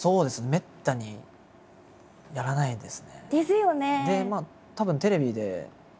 めったにやらないですね。ですよね。